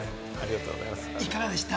いかがでした？